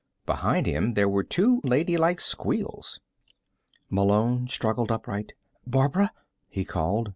Behind him there were two ladylike squeals. Malone struggled upright. "Barbara?" he called.